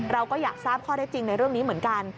เราก็อยากทราบข้อได้จริงในเรื่องนี้เหมือนกัน